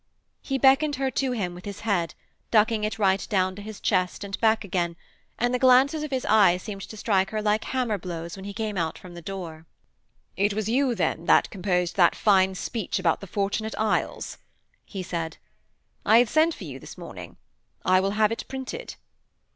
He beckoned her to him with his head, ducking it right down to his chest and back again, and the glances of his eyes seemed to strike her like hammer blows when he came out from the door. 'It was you then that composed that fine speech about the Fortunate Isles?' he said. 'I had sent for you this morning. I will have it printed.'